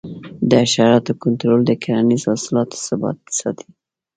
د حشراتو کنټرول د کرنیزو حاصلاتو ثبات ساتي.